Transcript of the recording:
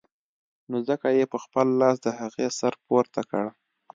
نو ځکه يې په خپل لاس د هغې سر پورته کړ.